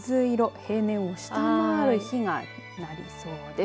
平年を下回る日が続きそうです。